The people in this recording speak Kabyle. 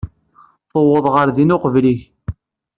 Tewweḍ ɣer din uqbel-ik.